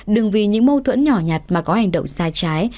đừng vì những mâu thuẫn nhỏ nhặt mà có hành động sai trái